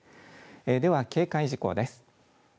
では、警戒事項です。